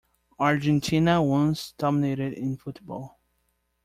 Argentina once dominated in football.